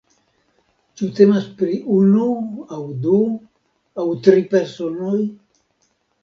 Ĉu temas pri unu aŭ du aŭ tri personoj?